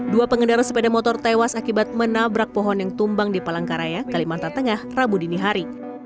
dua pengendara sepeda motor tewas akibat menabrak pohon yang tumbang di palangkaraya kalimantan tengah rabu dini hari